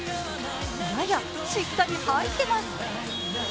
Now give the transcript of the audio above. いやいや、しっかり入ってます。